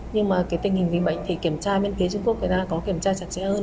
nhưng mà cái tình hình vĩnh bệnh thì kiểm tra bên phía trung quốc người ta có kiểm tra chặt chẽ hơn